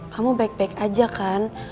kamu baik baik aja kan